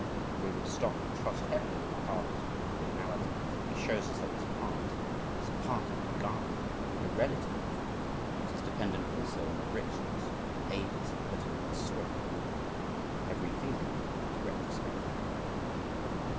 If we would stop and trust heavily on the harvest of originality, he shows us that this plant this part of the garden is but a relative thing. It is dependent also on the richness that ages have put into the soil. "Every thinker is retrospective."